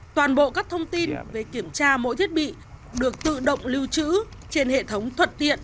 toàn bộ các thông tin về kiểm tra mỗi thiết bị được tự động lưu trữ trên hệ thống thuận tiện